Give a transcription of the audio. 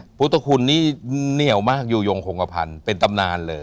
พุทธคุณนี่เหนียวมากอยู่ยงคงกระพันธ์เป็นตำนานเลย